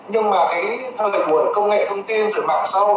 nhưng mà thời của công nghệ thông tin rồi mạng sau